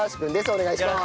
お願いします。